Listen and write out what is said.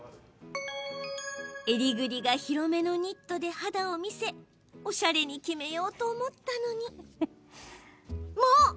襟ぐりが広めのニットで肌を見せおしゃれに決めようと思ったのにもう！